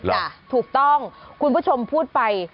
ถูกต้องคุณผู้ชมพูดไป